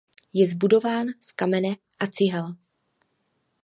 Je zbudován z kamene a cihel.